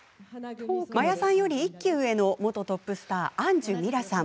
真矢さんより１期上の元トップスター、安寿ミラさん。